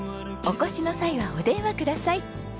お越しの際はお電話ください。